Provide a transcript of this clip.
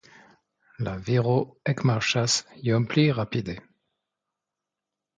La viro ekmarŝas iom pli rapide.